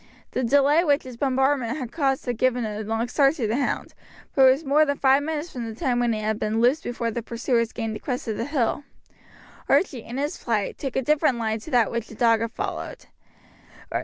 The delay which his bombardment had caused had given a long start to the hound, for it was more than five minutes from the time when it had been loosed before the pursuers gained the crest of the hill. Archie, in his flight, took a different line to that which the dog had followed.